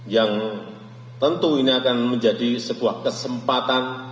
yang tentu ini akan menjadi sebuah kesempatan